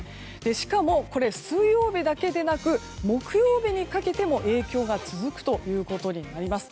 しかも、水曜日だけでなく木曜日にかけても影響が続くということになります。